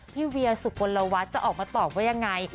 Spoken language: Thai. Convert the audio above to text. พี่เวียสุโกนละวัดจะออกมาตอบว่ายังไง